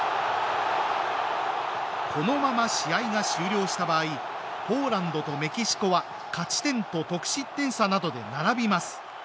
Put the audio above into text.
このまま試合が終了した場合ポーランドとメキシコは勝ち点と得失点差などで並びます。